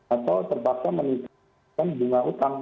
atau terpaksa meningkatkan bunga utang